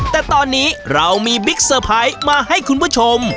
แต่ตอนนี้เรามีบิ๊กเซอร์ไพรส์มาให้คุณผู้ชม